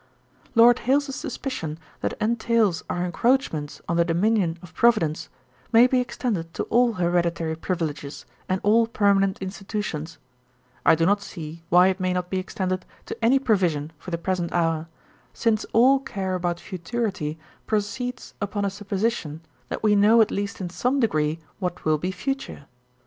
'Lord Hailes's suspicion that entails are encroachments on the dominion of Providence, may be extended to all hereditary privileges and all permanent institutions; I do not see why it may not be extended to any provision for the present hour, since all care about futurity proceeds upon a supposition, that we know at least in some degree what will be future.